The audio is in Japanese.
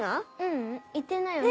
ううん行ってないよね？